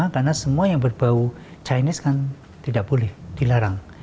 karena semua yang berbau chinese kan tidak boleh dilarang